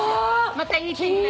またいい天気で。